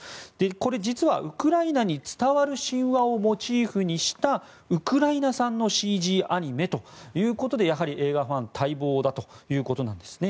これ、実はウクライナに伝わる神話をモチーフにしたウクライナ産のＣＧアニメということでやはり映画ファン待望だということなんですね。